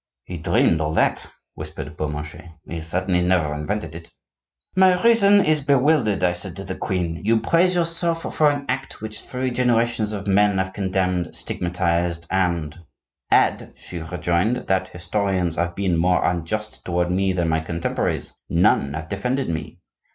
"He dreamed all that," whispered Beaumarchais; "he certainly never invented it." "'My reason is bewildered,' I said to the queen. 'You praise yourself for an act which three generations of men have condemned, stigmatized, and—' 'Add,' she rejoined, 'that historians have been more unjust toward me than my contemporaries. None have defended me.